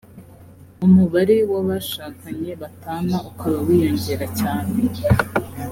umubare w’abashakanye batana ukaba wiyongera cyane